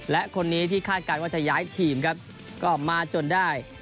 และคนนี้ที่คาดการณ์ว่าจะย้ายทีมครับก็มาจนได้